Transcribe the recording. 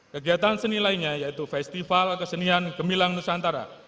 kegiatan seni lainnya yaitu festival kesenian gemilang nusantara